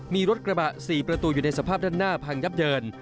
มีรถกระบะ๔ประตูอยู่ในสภาพด้านหน้าพังยับเยิน